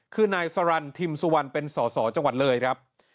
คือนายสรรทิมสุวรรณเป็นสอสอจังหวัดเลยครับ